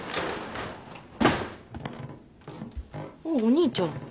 おっお兄ちゃん。